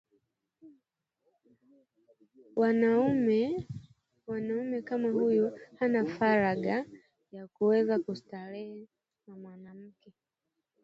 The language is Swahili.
Mwanaume kama huyu hana faragha ya kuweza kustarehe na mwanamke